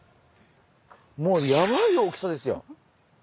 もうやばい大きさですよ。